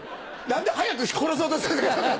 何で早く殺そうとするんですか。